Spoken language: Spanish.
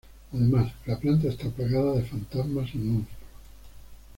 Además, la planta está plagada de fantasmas y monstruos.